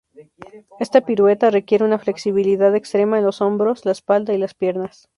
Esta pirueta requiere una flexibilidad extrema en los hombros, la espalda y las piernas.